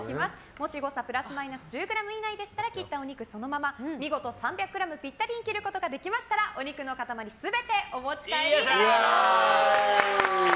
もし誤差プラスマイナス１０ｇ以内でしたら切ったお肉そのまま見事３００ｇピッタリに切ることができましたらお肉の塊全てお持ち帰りいただけます。